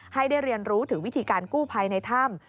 ให้ได้เรียนรู้ถึงวิธีการกู้ภัยในถ้ำ